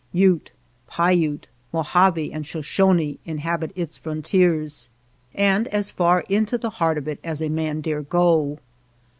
Ute, Paiute, Mojave, and Shoshone in habit its frontiers, and as far into the heart of it as a man dare go.